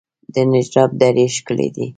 د نجراب درې ښکلې دي